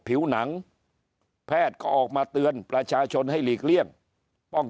ผิวหนังแพทย์ก็ออกมาเตือนประชาชนให้หลีกเลี่ยงป้อง